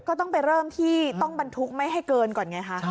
ก็ต้องไปเริ่มที่ต้องบรรทุกไม่ให้เกินก่อนไงคะ